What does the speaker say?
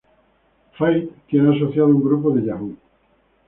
Fate tiene asociado un grupo de Yahoo!